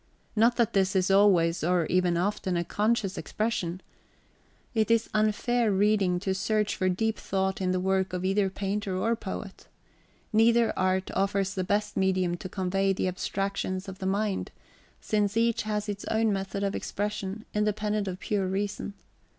Not that this is always, or even often, a conscious expression. It is unfair reading to search for deep thought in the work of either painter or poet. Neither art {xxiii} offers the best medium to convey the abstractions of the mind, since each has its own method of expression, independent of pure reason.